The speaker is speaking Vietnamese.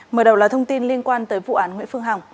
mở đầu là thông tin liên quan tới vụ án nguyễn phương hằng